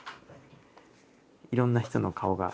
いろんな人の顔が。